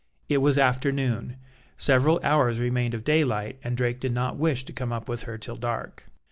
It was afternoon: several hours remained of daylight, and Drake did not wish to come up with her till dark.